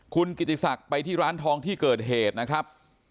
คุณกิติศักดิ์ไปที่ร้านทองที่เกิดเหตุนะครับ